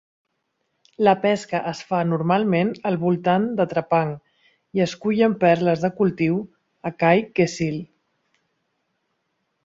La pesca es fa normalment al voltant de Trepang, i es cullen perles de cultiu a Kai Kecil.